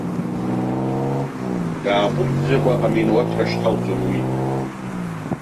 Дааҟәымҵӡакәа аминауаҭра шьҭалҵон уи.